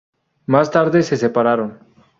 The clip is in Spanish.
Más tarde se separaron.